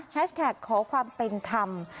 แท็กขอความเป็นธรรม